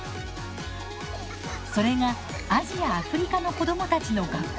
それがアジア・アフリカの子どもたちの学校